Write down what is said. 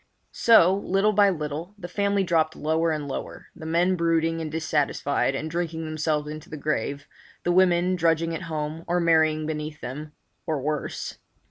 So, little by little, the family dropped lower and lower, the men brooding and dissatisfied, and drinking themselves into the grave, the women drudging at home, or marrying beneath them—or worse.